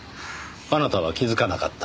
あなたは気づかなかった。